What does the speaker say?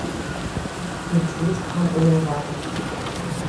Ihr Tod kam unerwartet.